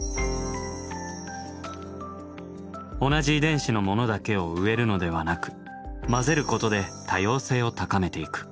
同じ遺伝子のものだけを植えるのではなく交ぜることで多様性を高めていく。